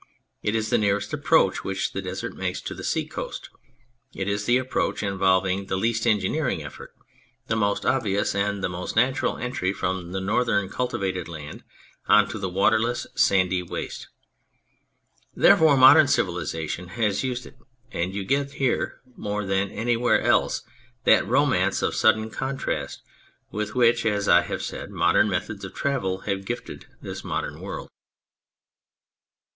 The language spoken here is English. It is the nearest approach which the Desert makes to the sea coast ; it is the approach involving the least engineering effort, the most obvious and the most natural entry from the northern cultivated land on to the waterless sandy waste. Therefore, modern civilisation has used it, and you get here more than anywhere else that romance of sudden contrast with which, as I have said, modern methods of travel have gifted the modern world.